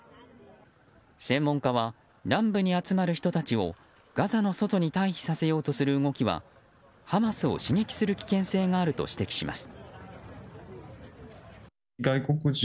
専門家は南部に集まる人たちをガザの外に退避させようとする動きはハマスを刺激する危険性があると指摘します。